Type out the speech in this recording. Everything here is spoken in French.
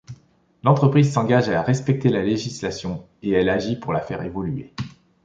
L’entreprise s’engage à respecter la législation, et elle agit pour la faire évoluer.